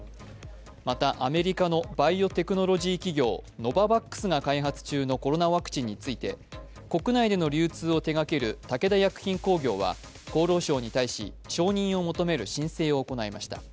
またアメリカのバイオテクノロジー企業、ノババックスが開発中のコロナワクチンについて、国内での流通を手がける武田薬品工業は厚労省に対し、承認を求める申請を行いました。